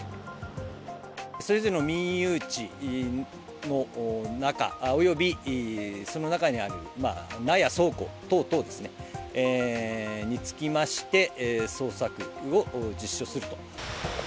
それぞれの民有地の中、およびその中にある納屋、倉庫等々ですね、につきまして、捜索を実施をすると。